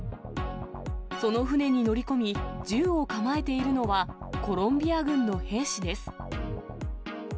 その船に乗り込み、銃を構えているのは、コロンビア軍の兵士です。